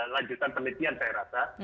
lanjutan penelitian saya rasa